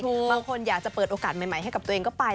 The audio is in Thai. บางคนอยากจะเปิดโอกาสใหม่ให้กับตัวเองก็ไป